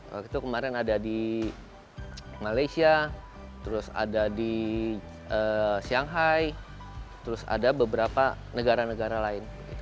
waktu itu kemarin ada di malaysia terus ada di shanghai terus ada beberapa negara negara lain